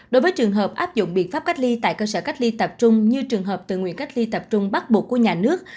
đối với trường hợp áp dụng biện pháp cách ly tại cơ sở cách ly tập trung như trường hợp tự nguyện cách ly tập trung bắt buộc của nhà nước